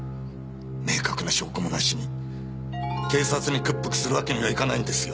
明確な証拠もなしに警察に屈服するわけにはいかないんですよ。